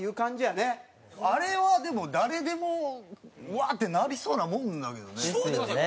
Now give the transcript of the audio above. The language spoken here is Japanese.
あれはでも誰でもウワッ！ってなりそうなもんだけどね。ですよね。